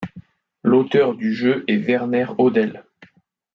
L'auteur du jeu est Werner Hodel.